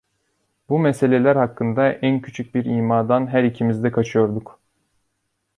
Bu meseleler hakkında en küçük bir imadan her ikimiz de kaçıyorduk.